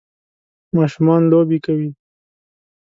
ماشومان لوبی کوی.